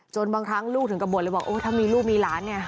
จนบางครั้งลูกถึงกระบวนเลยบอกถ้ามีลูกมีหลาน